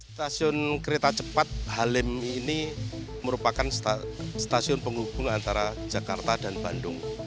stasiun kereta cepat halim ini merupakan stasiun penghubung antara jakarta dan bandung